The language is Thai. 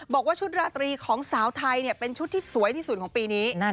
บอกว่าชุดราตรีของสาวไทยเป็นชุดที่สวยที่สุดของปีนี้